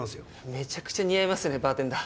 めちゃくちゃ似合いますねバーテンダー。